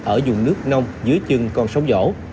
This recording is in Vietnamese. ở dùng nước nông dưới chừng con sông